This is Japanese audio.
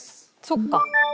そっか。